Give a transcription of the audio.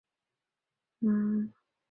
石码杨氏大夫第的历史年代为清。